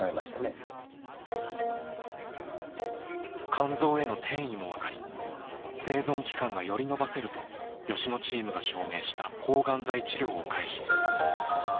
肝臓への転移もわかり生存期間がより延ばせると吉野チームが証明した抗がん剤治療を開始。